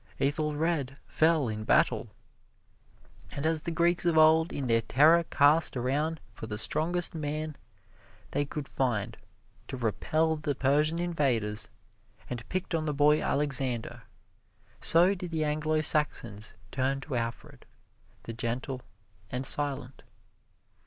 Ethelred fell in battle. And as the Greeks of old in their terror cast around for the strongest man they could find to repel the Persian invaders, and picked on the boy Alexander, so did the Anglo Saxons turn to Alfred, the gentle and silent.